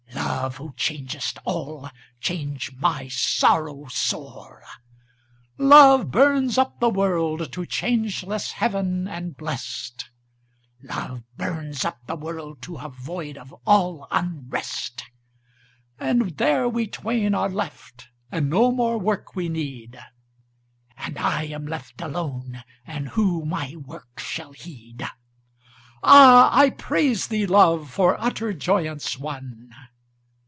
"Love, who changest all, change my sorrow sore!" Love burns up the world to changeless heaven and blest, "Love burns up the world to a void of all unrest." And there we twain are left, and no more work we need: "And I am left alone, and who my work shall heed?" Ah! I praise thee, Love, for utter joyance won!